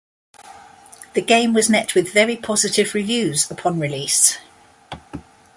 The game was met with very positive reviews upon release.